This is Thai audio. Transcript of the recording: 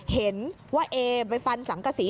เห็นว่าเอไปฟันสังกษี